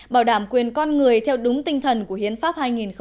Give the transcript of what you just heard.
bảo đảm quyền con người theo đúng tinh thần của hiến pháp hai nghìn một mươi ba